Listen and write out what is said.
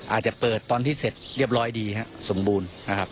อาจจะเปิดตอนที่เสร็จเรียบร้อยดีสมบูรณ์